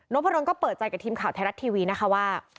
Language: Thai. พะดนก็เปิดใจกับทีมข่าวไทยรัฐทีวีนะคะว่า